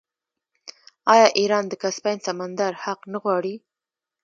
آیا ایران د کسپین سمندر حق نه غواړي؟